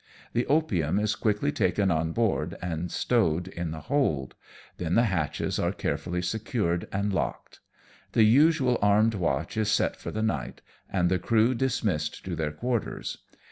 The opium is quickly taken on board and stowed in the hold; then the hatches are carefully secured and locked. The usual armed watch is set for the night, and the crew dismissed to their quarters.